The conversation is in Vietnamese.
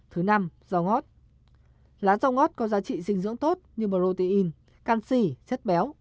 thứ năm rau ngót lá rau ngót có giá trị dinh dưỡng tốt như protein canxi chất béo